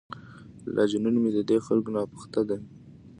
لا جنون مې ددې خلکو ناپخته دی.